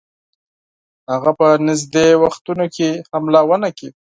هغه په نیژدې وختونو کې حمله ونه کړي.